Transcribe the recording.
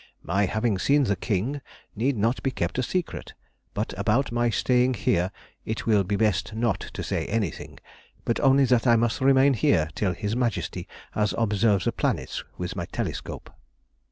My having seen the King need not be kept a secret, but about my staying here it will be best not to say anything, but only that I must remain here till His Majesty has observed the planets with my telescope.